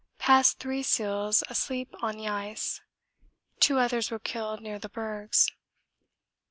Passed three seals asleep on the ice. Two others were killed near the bergs.